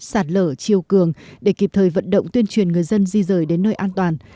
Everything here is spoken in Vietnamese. sạt lở chiều cường để kịp thời vận động tuyên truyền người dân di rời đến nơi an toàn